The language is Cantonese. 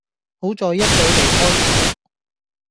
好在一早離開左